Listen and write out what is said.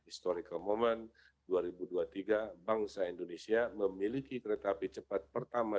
historical moment dua ribu dua puluh tiga bangsa indonesia memiliki kereta api cepat pertama